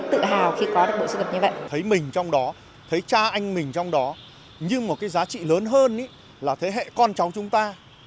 thấy mình trong đó thấy cha anh mình trong đó như một cái giá trị lớn hơn là thế hệ con cháu chúng ta